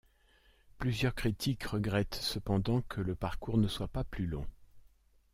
Plusieurs critiques regrettent cependant que le parcours ne soit pas plus long.